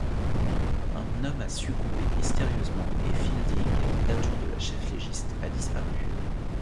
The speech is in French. Un homme a succombé mystérieusement et Fielding, l'adjoint de la chef-légiste a disparu.